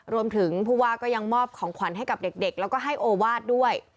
รวมถึงผู้ว่าก็ยังมอบของขวัญให้กับเด็กแล้วก็ให้โอวาสด้วย